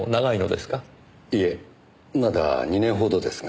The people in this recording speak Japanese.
いえまだ２年ほどですが。